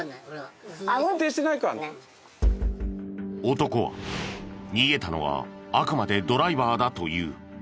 男は逃げたのはあくまでドライバーだという。